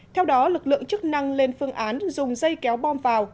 theo đó lực lượng chức năng lên phương án dùng dây kéo bom vào